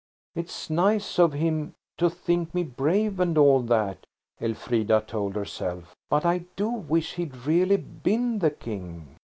"It's nice of him to think me brave and all that," Elfrida told herself, "but I do wish he'd really been the King."